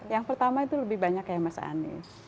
yang pertama itu lebih banyak kayak mas anies